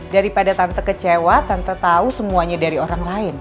daripada tante kecewa tante tau semuanya dari orang lain